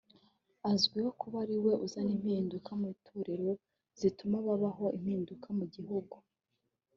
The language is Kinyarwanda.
Azwiho kuba ariwe uzana impinduka mu itorero zituma habaho impinduka mu gihugu